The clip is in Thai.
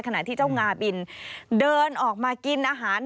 ขณะที่เจ้างาบินเดินออกมากินอาหาร